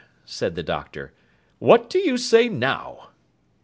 cried the Doctor, 'what do you say now?